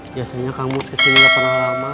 biasanya kamu kesini gak pernah lama